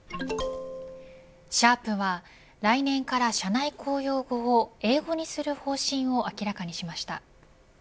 シャープは来年から社内公用語を英語にする方針を明らかにしました。